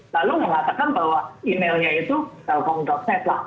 lalu mengatakan bahwa emailnya itu telpon net lah